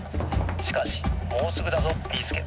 しかしもうすぐだぞビーすけ！」。